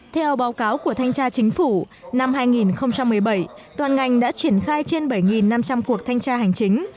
theo báo cáo của thanh tra chính phủ năm hai nghìn một mươi bảy toàn ngành đã triển khai trên bảy năm trăm linh cuộc thanh tra hành chính